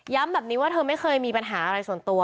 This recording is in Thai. แบบนี้ว่าเธอไม่เคยมีปัญหาอะไรส่วนตัว